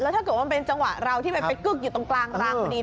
แล้วถ้าเกิดว่าเป็นจังหวะเราที่ไปกึกอยู่ตรงกลางรางรถไฟดี